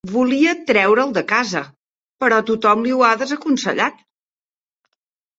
Volia treure'l de casa, però tothom li ho ha desaconsellat.